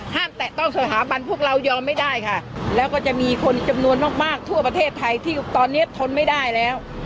แตะต้องสถาบันพวกเรายอมไม่ได้ค่ะแล้วก็จะมีคนจำนวนมากมากทั่วประเทศไทยที่ตอนนี้ทนไม่ได้แล้ว